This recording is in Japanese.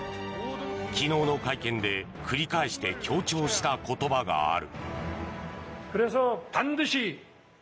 昨日の会見で繰り返して強調した言葉がある。